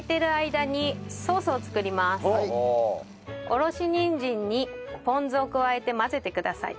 おろしにんじんにポン酢を加えて混ぜてください。